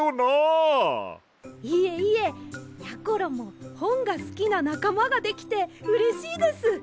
いえいえやころもほんがすきななかまができてうれしいです！